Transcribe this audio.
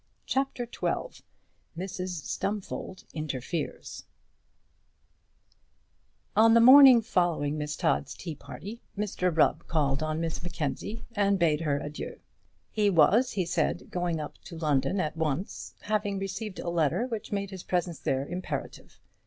CHAPTER XII Mrs Stumfold Interferes On the morning following Miss Todd's tea party, Mr Rubb called on Miss Mackenzie and bade her adieu. He was, he said, going up to London at once, having received a letter which made his presence there imperative.